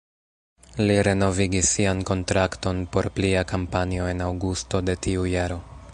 Li renovigis sian kontrakton por plia kampanjo en aŭgusto de tiu jaro.